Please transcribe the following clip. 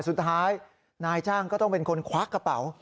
สุดท้ายนายจ้างก็ต้องเป็นคนควักกระเป๋า